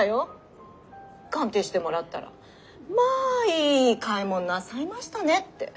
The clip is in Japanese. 鑑定してもらったらまあいい買い物なさいましたねって。